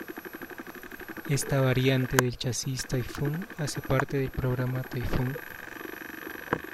Esta variante del chasis ""Typhoon"" hace parte del programa ""Typhoon"".